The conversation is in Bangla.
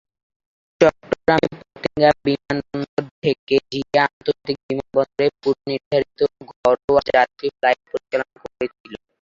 বিমানটি চট্টগ্রামের পতেঙ্গা বিমানবন্দর থেকে জিয়া আন্তর্জাতিক বিমানবন্দরে পূর্বনির্ধারিত ঘরোয়া যাত্রী ফ্লাইট পরিচালনা করছিল।